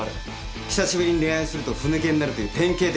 久しぶりに恋愛するとふ抜けになるという典型的な見本だ。